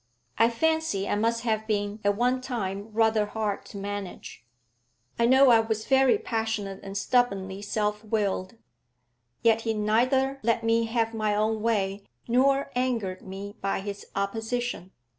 I fancy I must have been at one time rather hard to manage; I know I was very passionate and stubbornly self willed. Yet he neither let me have my own way nor angered me by his opposition.